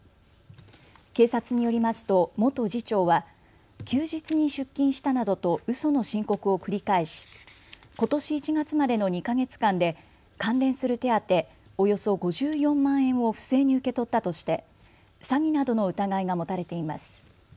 警察によりますと元次長は休日に出勤したなどとうその申告を繰り返し、ことし１月までの２か月間で関連する手当、およそ５４万円を不正に受け取ったとして詐欺などの疑いが持たれています。